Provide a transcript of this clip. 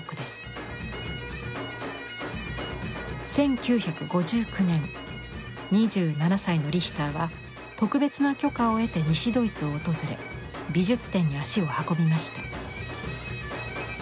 １９５９年２７歳のリヒターは特別な許可を得て西ドイツを訪れ美術展に足を運びました。